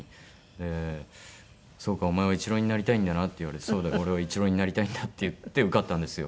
「そうかお前はイチローになりたいんだな」って言われて「そうだ俺はイチローになりたいんだ」って言って受かったんですよ。